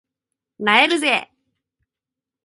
萎えるぜ